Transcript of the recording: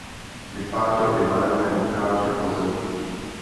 Vytvářel i barevné vitráže a mozaiky.